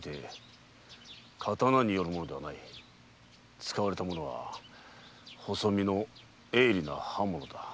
使われたものは細身の鋭利な刃物だ。